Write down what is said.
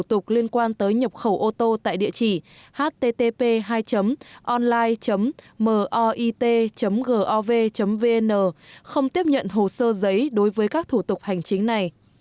thủ tục liên quan tới nhập khẩu ô tô tại địa chỉ http hai online mit gov vn không tiếp nhận hồ sơ giấy đối với các thủ tục hành chính này